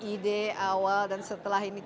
ide awal dan setelah ini